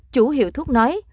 chủ hiệu thuốc nói